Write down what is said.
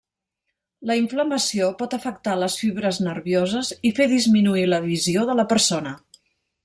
La inflamació pot afectar les fibres nervioses i, fer disminuir la visió de la persona.